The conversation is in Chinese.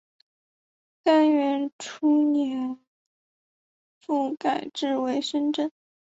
干元初年复改置为深州。